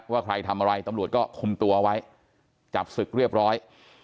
ว่าใครทำอะไรตำรวจก็คุมตัวไว้จับศึกเรียบร้อย